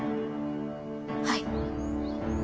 はい。